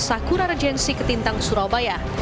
sakurarejensi ketintang surabaya